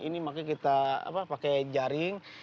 ini makanya kita pakai jaring